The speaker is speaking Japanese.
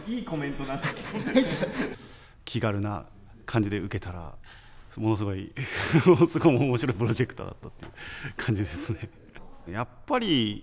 気軽な感じで受けたらものすごい面白いプロジェクトだったっていう感じですね。